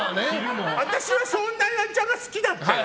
私はそんな岩井ちゃんが好きだったよ。